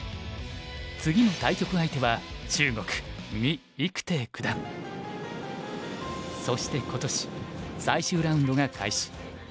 次の対局相手は中国廷九段そして今年最終ラウンドが開始。